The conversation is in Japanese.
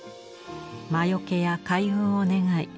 魔よけや開運を願い